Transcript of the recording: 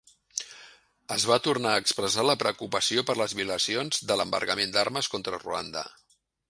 Es va tornar a expressar la preocupació per les violacions de l'embargament d'armes contra Ruanda.